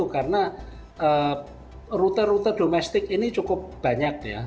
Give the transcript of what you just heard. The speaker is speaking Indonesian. karena rute rute domestik ini cukup banyak ya